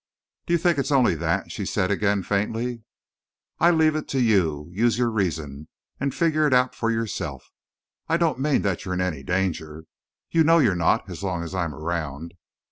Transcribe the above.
"Do you think it's only that?" she said again, faintly. "I leave it to you. Use your reason, and figure it out for yourself. I don't mean that you're in any danger. You know you're not as long as I'm around!"